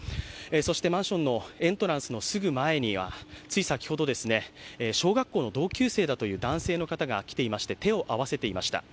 そしてマンションのエントランスのすぐ前には、つい先ほど、小学校の同級生だという男性の方が来ていまして、手を合わせていました。